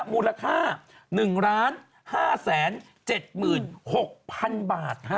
มูลค่า๑๕๗๖๐๐๐บาท